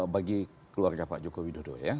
bagi keluarga pak jokowi dodo ya